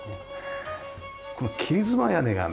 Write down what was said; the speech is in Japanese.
この切妻屋根がね